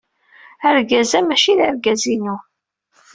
Argaz-a maci d argaz-inu.